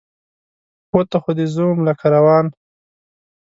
پښو ته خو دې زه وم لکه لار روان